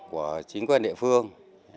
của chính quyền địa phương